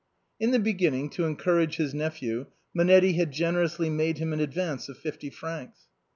In the beginning, to encourage his nephew, Monetti had generously made him an advance of fifty francs.